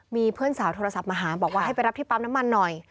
มีเพื่อนสาวโทรศัพท์มาหาบอกว่าให้ไปรับที่ปั๊มน้ำมันหน่อย